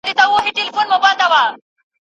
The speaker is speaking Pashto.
ریاضتونه منل سوي دي.